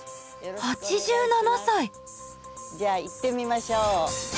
８７歳⁉じゃあ行ってみましょう。